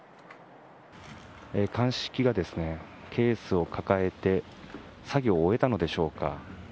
鑑識がケースを抱えて作業を終えたのでしょうか。